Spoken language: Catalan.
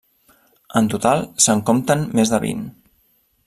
En total se'n compten més de vint.